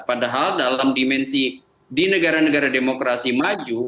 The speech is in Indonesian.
padahal dalam dimensi di negara negara demokrasi maju